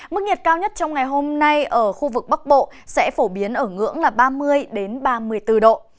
mức nhiệt cao nhất trong ngày hôm nay ở khu vực bắc bộ sẽ phổ biến ở ngưỡng là ba mươi ba mươi bốn độ